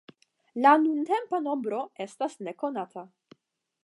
La nuntempa nombro estas nekonata.